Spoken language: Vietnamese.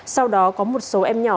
sau đó có một số em nhỏ đã bỏ đi